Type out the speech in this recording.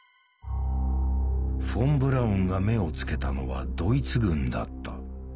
フォン・ブラウンが目をつけたのはドイツ軍だった。